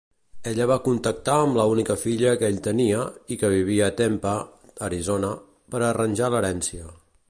Ella va contactar amb la única filla que ell tenia, i que vivia a Tempe, Arizona, per arranjar l'herència.